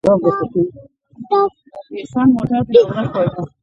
آیا د خپلوانو سره مرسته کول ثواب نه دی؟